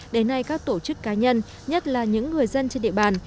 đến nay các tổ chức cá nhân nhất là những người dân trên địa bàn